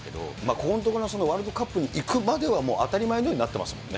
ここのところのワールドカップに行くまでは当たり前のようになってますもんね。